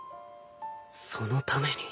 そのために。